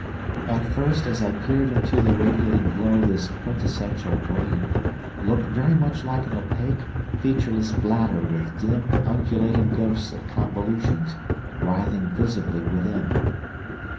"At first as I peered into the radiating glow this quintessential brain looked very much like an opaque, featureless bladder with dim, undulating ghosts of convolutions writhing visibly within.